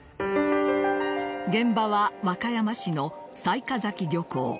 現場は、和歌山市の雑賀崎漁港。